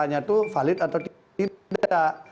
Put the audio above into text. tidak ada yang menurut saya itu valid atau tidak